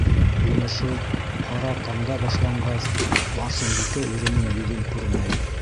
Һөйләшеү ҡара таңда башланғас, Барсынбикә иренең йөҙөн күрмәй.